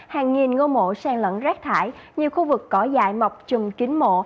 hàng nghìn ngô mộ sang lẫn rác thải nhiều khu vực cỏ dại mọc trùm kín mộ